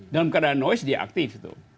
dalam keadaan noise dia aktif tuh